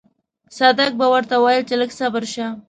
صدک به ورته ويل چې لږ صبر شه.